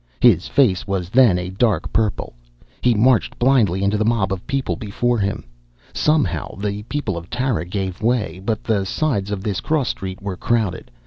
His face was then a dark purple. He marched blindly into the mob of people before him. Somehow, the people of Tara gave way. But the sides of this cross street were crowded.